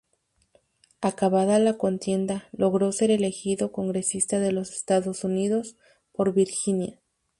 Acabada la contienda, logró ser elegido congresista de los Estados Unidos por Virginia.